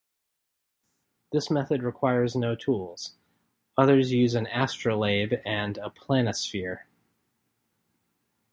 This method requires no tools; others use an astrolabe and a planisphere.